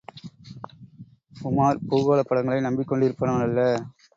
உமார் பூகோளப் படங்களை நம்பிக் கொண்டிருப்பவனல்ல.